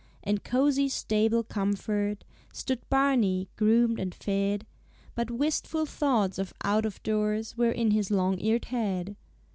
In cosy stable comfort Stood Barney, groomed and fed: But wistful thoughts of out of doors Were in his long eared head.